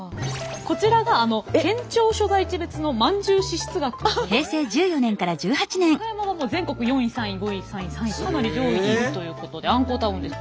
こちらが県庁所在地別のまんじゅう支出額なんですけども岡山はもう全国４位３位５位３位３位かなり上位にいるということであんこタウンです。